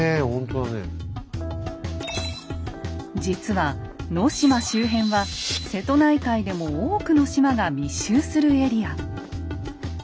実は能島周辺は瀬戸内海でも多くの島が密集するエリア。